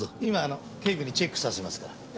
今あの警備にチェックさせますから。